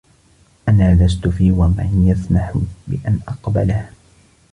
أنا لستُ في وضع يسمح بأن أقبلها.